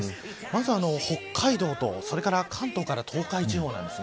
まずは、北海道とそれから関東から東海地方なんです。